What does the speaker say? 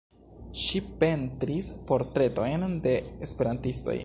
Ŝi pentris portretojn de esperantistoj.